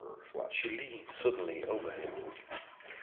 She leaned suddenly over him.